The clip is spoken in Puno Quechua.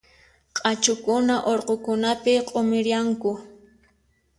Q'achukuna urqukunapi q'umirianku.